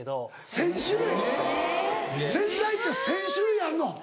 洗剤って１０００種類あるの？